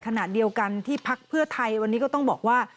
ขณะเดียวกันที่พักเพื่อไทยวันนี้ก็ต้องบอกว่า